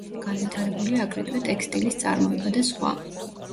განვითარებულია აგრეთვე ტექსტილის წარმოება და სხვა.